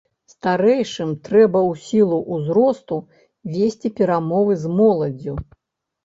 Старэйшым трэба ў сілу ўзросту весці перамовы з моладдзю.